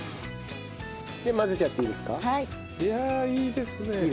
いやあいいですね。